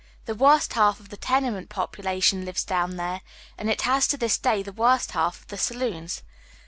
The worst half of the tenement population lives down there, and it has to this day the worst half of the saloons.